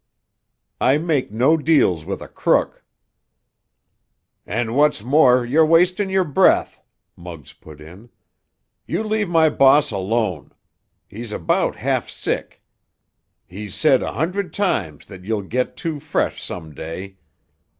"I make no deals with a crook!" "And what's more, you're wastin' your breath," Muggs put in. "You leave my boss alone! He's about half sick. He's said a hundred times that you'll get too fresh some day.